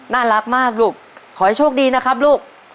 น่ารักมากลูกขอให้โชคดีนะครับลูก